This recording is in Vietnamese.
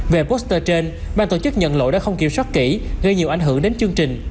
về poster trên bang tổ chức nhận lỗi đã không kiểm soát kỹ gây nhiều ảnh hưởng đến chương trình